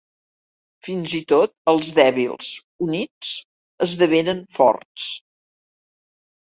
Fins i tot els dèbils, units, esdevenen forts.